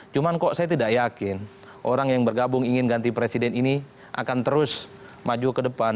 cuma kok saya tidak yakin orang yang bergabung ingin ganti presiden ini akan terus maju ke depan